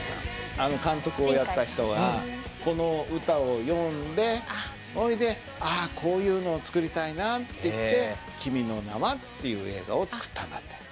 あの監督をやった人はこの歌を読んでほいであこういうのを作りたいなっていって「君の名は。」っていう映画を作ったんだって。